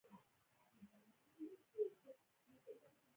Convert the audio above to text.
مړه له دنیا تللې، خو له زړه نه نه